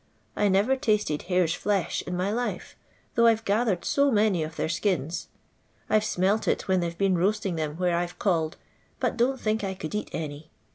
I never tasted hares' flesh in my life, though I 've gathered so many of their akina. I 've amelt it when they 've been roaating them where I 've called, but don't think I could eat any.